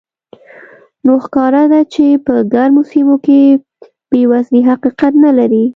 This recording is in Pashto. نو ښکاره ده چې په ګرمو سیمو کې بېوزلي حقیقت نه لري.